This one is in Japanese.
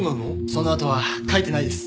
そのあとは書いてないです。